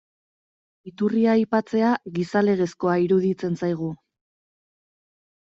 Iturria aipatzea, gizalegezkoa iruditzen zaigu.